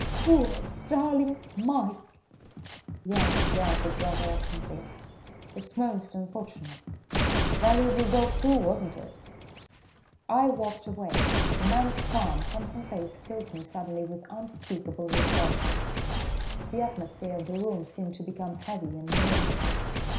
"Poor, darling Mike!" "Yes," he answered rather absently. "It's most unfortunate. Valuable dog, too, wasn't it?" I walked away. The man's calm, handsome face filled me suddenly with unspeakable revulsion. The atmosphere of the room seemed to become heavy and noisome.